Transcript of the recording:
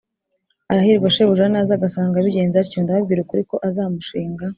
Arahirwa shebuja naza agasanga abigenza atyo ndababwira ukuri ko azamushinga